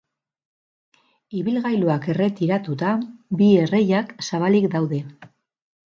Ibilgailuak erretiratuta, bi erreiak zabalik daude.